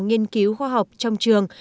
nghiên cứu khoa học trong trường